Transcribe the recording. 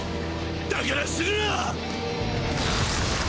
だから死ぬな！